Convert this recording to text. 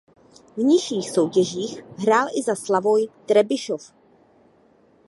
V nižších soutěžích hrál i za Slavoj Trebišov.